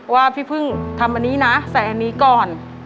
ว่าพี่พึ่งทำอันนี้นะใส่อันนี้ก่อน